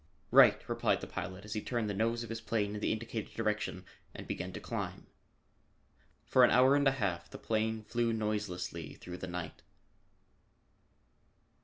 "Right!" replied the pilot as he turned the nose of his plane in the indicated direction and began to climb. For an hour and a half the plane flew noiselessly through the night.